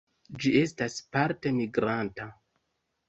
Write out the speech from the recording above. Ĝi estas parte migranta.